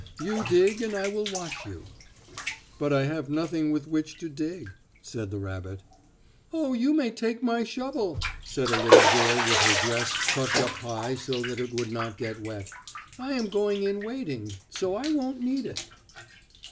You dig and I will watch you." "But I have nothing with which to dig," said the rabbit. "Oh, you may take my shovel," said a little girl with her dress tucked up high so that it would not get wet. "I am going in wading, so I won't need it."